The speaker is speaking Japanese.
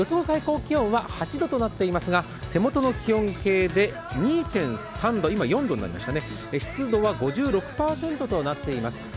最高気温は８度となっていますが手元の気温計で２．４度、湿度は５６％となっています。